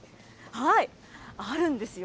あるんですよ。